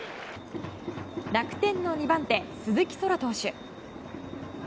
楽天の２番手、鈴木翔天投手。